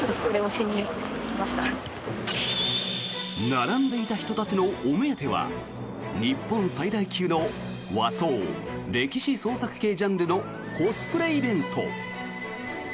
並んでいた人たちのお目当ては日本最大級の和装・歴史創作系ジャンルのコスプレイベント。